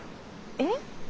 えっ？